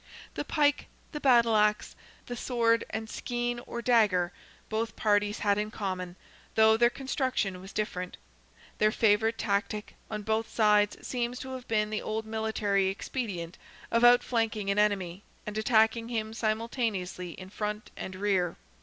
The pike, the battle axe, the sword, and skein, or dagger, both parties had in common, though their construction was different. The favourite tactique, on both sides, seems to have been the old military expedient of outflanking an enemy, and attacking him simultaneously in front and rear.